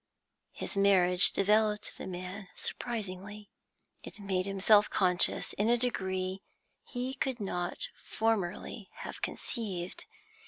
His marriage developed the man surprisingly; it made him self conscious in a degree he could not formerly have conceived.